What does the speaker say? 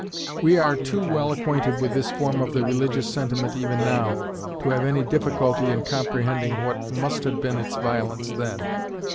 We are too well acquainted with this form of the religious sentiment even now, to have any difficulty in comprehending what must have been its violence then.